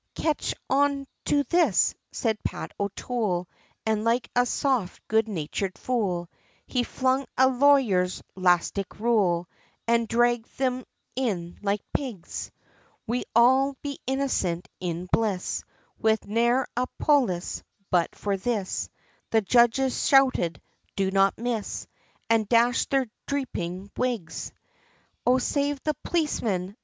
"Ketch on to this!" said Pat O'Toole, an' like a soft, good natured fool, He flung a lawyer's 'lastic rule, an' dhragged thim in like pigs, We'd all be innocent, in bliss, with ne'er a polis, but for this, The judges shouted, "do not miss" and dashed their dhreepin' wigs, "O save the polismen!"